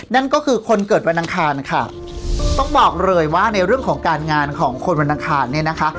นั่นก็คือคนเกิดวันอังคารค่ะต้องบอกเลยว่าในเรื่องของการงานของคนวันอังคารเนี่ยนะคะ